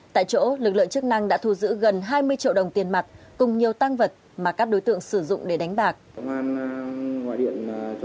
tại chỗ lực lượng chức năng đã thu giữ gần hai mươi triệu đồng tiền mặt cùng nhiều tăng vật mà các đối tượng sử dụng để đánh bạc